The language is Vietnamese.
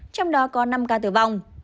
trong đó có năm ca tử vong